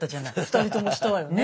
２人ともしたわよね。